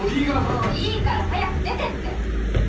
もういいから早く出てって！